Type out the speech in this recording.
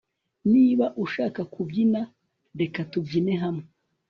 Niba ushaka kubyina reka tubyine hamwe